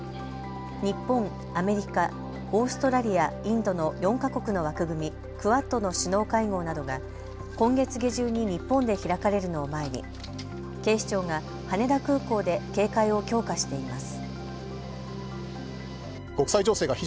日本、アメリカ、オーストラリア、インドの４か国の枠組み、クアッドの首脳会合などが今月下旬に日本で開かれるのを前に警視庁が羽田空港で警戒を強化しています。